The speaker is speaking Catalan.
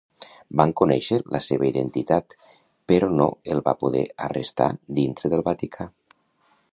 Van conèixer la seva identitat, però no el va poder arrestar dintre del Vaticà.